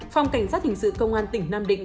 phòng cảnh sát hình sự công an tỉnh nam định